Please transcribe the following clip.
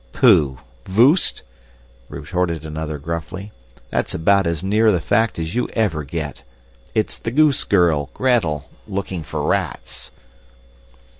"Pooh! Voost," retorted another gruffly, "that's about as near the fact as you ever get. It's the goose girl, Gretel, looking for rats."